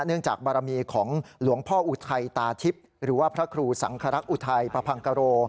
จากบารมีของหลวงพ่ออุทัยตาทิพย์หรือว่าพระครูสังครักษ์อุทัยพพังกโร